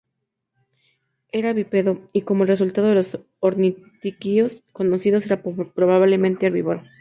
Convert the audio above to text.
Era bípedo y, como el resto de los ornitisquios conocidos, era probablemente herbívoro.